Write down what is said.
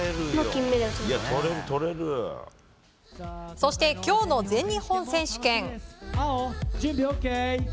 そして今日の全日本選手権。